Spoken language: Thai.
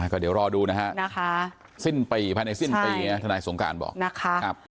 ก็เดี๋ยวรอดูนะฮะสิ้นปีภายในสิ้นปีทนายสงการบอกนะคะ